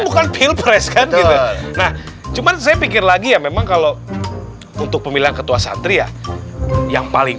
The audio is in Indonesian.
bukan pilpres kan cuma saya pikir lagi ya memang kalau untuk pemilihan ketua santri yang paling